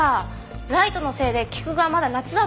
ライトのせいで菊がまだ夏だと思って。